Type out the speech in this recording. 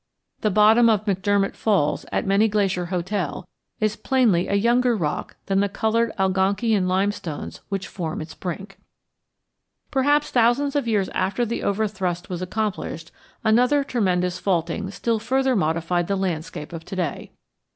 The bottom of McDermott Falls at Many Glacier Hotel is plainly a younger rock than the colored Algonkian limestones which form its brink. Perhaps thousands of years after the overthrust was accomplished another tremendous faulting still further modified the landscape of to day.